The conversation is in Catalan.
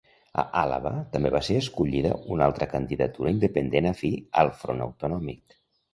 A Àlaba també va ser escollida una altra candidatura independent afí al Front Autonòmic.